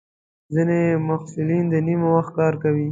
ځینې محصلین د نیمه وخت کار کوي.